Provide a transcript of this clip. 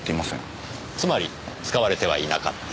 つまり使われてはいなかった。